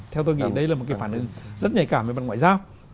theo tôi nghĩ đây là một cái phản ứng rất nhạy cảm về mặt ngoại giao